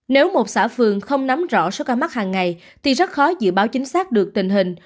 nếu một xã phường không nắm rõ số ca mắc hàng ngày thì rất khó dự báo chính xác được tình hình